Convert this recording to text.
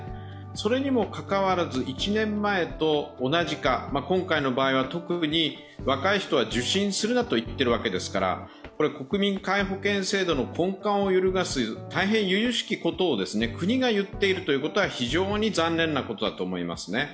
それにもかかわらず１年前と同じか今回の場合は特に若い人は受診するなといってるわけですから国民皆保険制度の根幹を揺るがす、大変由々しきことを国が言っているということは非常に残念なことだと思います。